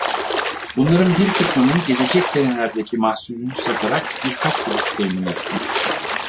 Bunların bir kısmının gelecek senelerdeki mahsulünü satarak birkaç kuruş temin ettim.